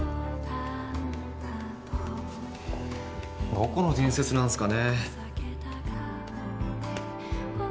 どこの伝説なんすかね？